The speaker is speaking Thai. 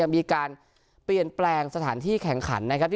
มีการเปลี่ยนแปลงสถานที่แข่งขันนะครับ